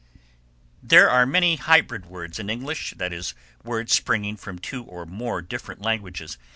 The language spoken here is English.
There are many hybrid words in English, that is, words, springing from two or more different languages.